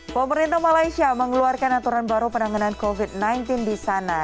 pemerintah malaysia mengeluarkan aturan baru penanganan covid sembilan belas di sana